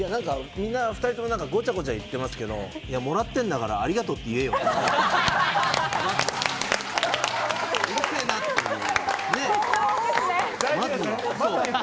２人とも何かごちゃごちゃ言ってますけど、もらってるんだから、ありがとうって言えよって。